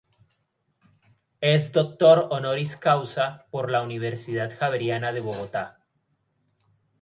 Es "doctor honoris" causa por la Universidad Javeriana de Bogotá.